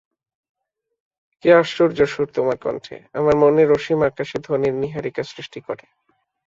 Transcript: কী আশ্চর্য় সুর তোমার কণ্ঠে, আমার মনের অসীম আকাশে ধ্বনির নীহারিকা সৃষ্টি করে।